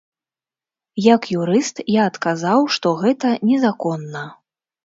Як юрыст, я адказаў, што гэта незаконна.